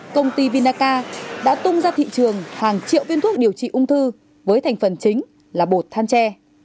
công ty vinaca đã tung ra thị trường hàng triệu viên thuốc điều trị ung thư với thành phần chính là bột than tre